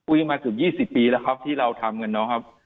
อุ๊ยมาถึง๒๐ปีแล้วครับที่เราทำกัน